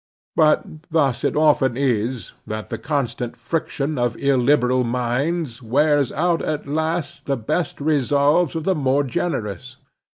But thus it often is, that the constant friction of illiberal minds wears out at last the best resolves of the more generous.